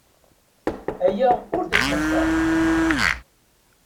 Aya ur d asmesxer.